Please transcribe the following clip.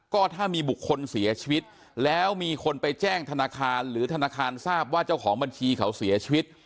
ก็ถ้ามีบุคคลเสียชีวิตแล้วมีคนไปแจ้งธนาคารหรือธนาคารทราบว่าเจ้าของบัญชีเขาเสียชีวิต